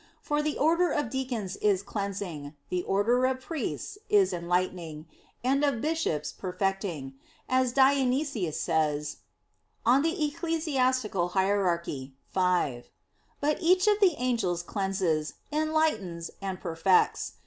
For the order of deacons is "cleansing," the order of priests, is "enlightening," and of bishops "perfecting," as Dionysius says (Eccl. Hier. v). But each of the angels cleanses, enlightens, and perfects.